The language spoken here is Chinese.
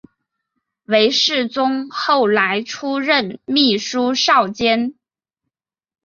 韦士宗后来出任秘书少监。